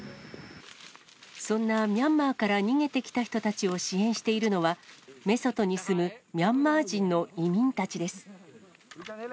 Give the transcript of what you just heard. そんなミャンマーから逃げてきた人たちを支援しているのは、メソトに住むミャンマー人の移民たちです。